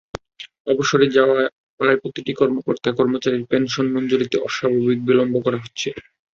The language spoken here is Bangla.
অবসরে যাওয়া প্রায় প্রতিটি কর্মকর্তা-কর্মচারীর পেনশন মঞ্জুরিতে অস্বাভাবিক বিলম্ব করা হচ্ছে।